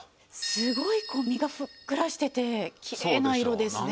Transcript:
すごいこう身がふっくらしててきれいな色ですね。